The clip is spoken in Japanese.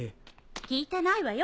聞いてないわよ